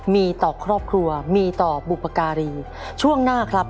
มีต่อครอบครัวมีต่อบุปการีช่วงหน้าครับ